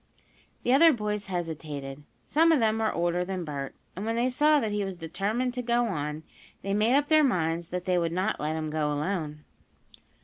The other boys hesitated. Some of them were older than Bert, and when they saw that he was determined to go on, they made up their minds that they would not let him go alone.